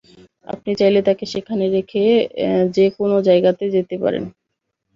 আপনি চাইলে তাকে সেখানে রেখে যে কোনও জায়গাতেই যেতে পারেন।